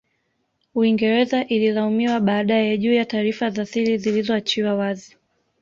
Uingereza Ililaumiwa baadae juu ya taarifa za siri zilizo achiwa wazi